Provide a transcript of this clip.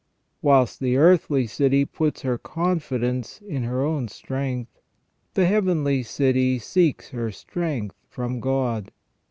Whilst the earthly city puts her confidence in her own strength, the heavenly city seeks her strength from God.